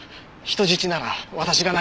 人質なら私が。